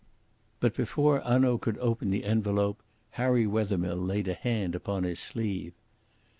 But before Hanaud could open the envelope Harry Wethermill laid a hand upon his sleeve.